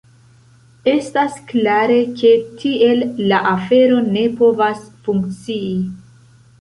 Estas klare, ke tiel la afero ne povas funkcii.